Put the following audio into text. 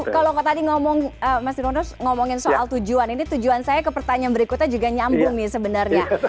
kalau tadi ngomong mas nirwono ngomongin soal tujuan ini tujuan saya ke pertanyaan berikutnya juga nyambung nih sebenarnya